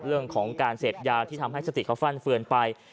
เรื่องของการเสพยาที่ทำให้สติเขาฟันเฟือนไป